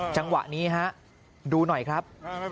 จังหวะนี้ฮะดูหน่อยครับ